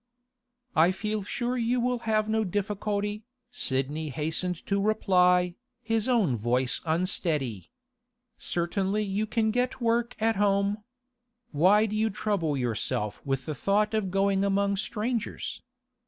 'I feel sure you will have no difficulty,' Sidney hastened to reply, his own voice unsteady. 'Certainly you can get work at home. Why do you trouble yourself with the thought of going among strangers?